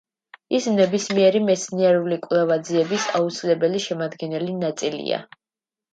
ის ნებისმიერი მეცნიერული კვლევა-ძიების აუცილებელი შემადგენელი ნაწილია.